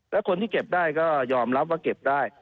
แล้วคนที่เก็บได้ก็ยอมรับว่าเก็บได้